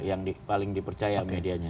yang paling dipercaya medianya